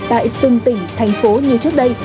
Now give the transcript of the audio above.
tại từng tỉnh thành phố như trước đây